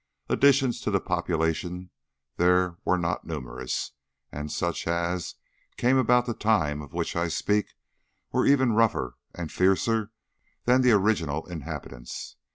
Additions to the population there were not numerous, and such as came about the time of which I speak were even rougher and fiercer than the original inhabitants.